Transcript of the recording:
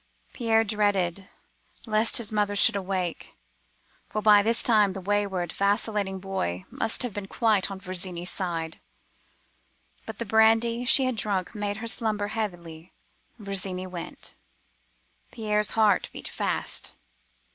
Pierre dreaded lest his mother should awake (for by this time the wayward, vacillating boy must have been quite on Virginie's side), but the brandy she had drunk made her slumber heavily. Virginie went. Pierre's heart beat fast.